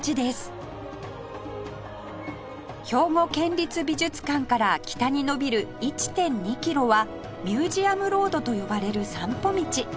兵庫県立美術館から北にのびる １．２ キロはミュージアムロードと呼ばれる散歩道